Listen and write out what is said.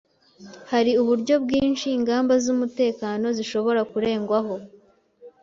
hari uburyo bwinshi ingamba z'umutekano zishobora kurengwaho